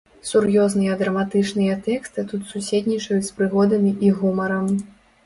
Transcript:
Сур'ёзныя драматычныя тэксты тут суседнічаюць з прыгодамі і гумарам.